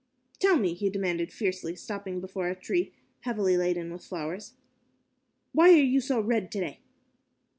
"Tell me," he demanded fiercely, stopping before a tree heavily laden with flowers, "why are you so red today?"